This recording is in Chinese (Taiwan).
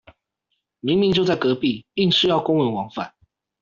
明明就在隔壁，硬是要公文往返